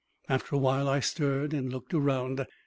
After awhile I stirred and looked around.